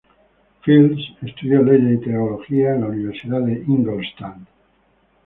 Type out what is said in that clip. Fils estudió leyes y teología en la Universidad de Ingolstadt.